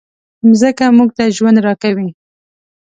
مځکه موږ ته ژوند راکوي.